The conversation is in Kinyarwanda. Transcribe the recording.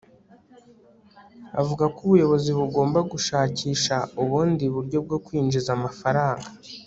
Avuga ko ubuyobozi bugomba gushakisha ubundi buryo bwo kwinjiza amafaranga